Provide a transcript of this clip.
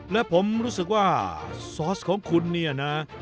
และผมรู้สึกว่าซอสของคุณเนี่ยนะ